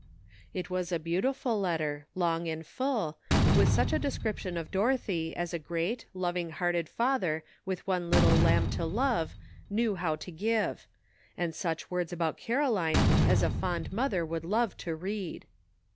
It was a beautiful letter, long and full, with such a description of Dorothy as a great, loving hearted father with one little lamb to love knew how to give, and such words about Caroline as a fond mother would love to read.